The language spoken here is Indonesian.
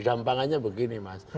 gampangnya begini mas